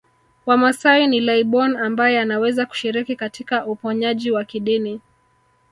Wamasai ni laibon ambaye anaweza kushiriki katika uponyaji wa kidini